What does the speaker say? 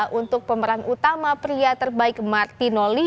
ketika diangkat pemeran utama pria terbaik menunjukkan kesempatan untuk menangkap glenn